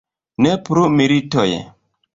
Ne plu militoj!